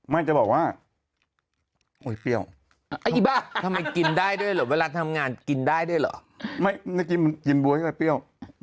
ไม่จะบอกว่าโอ้ยเปรี้ยว